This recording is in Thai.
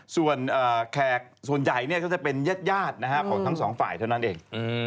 ส่วนแขกส่วนใหญ่ก็จะเป็นญาติของทั้งสองฝ่ายเท่านั้นเอง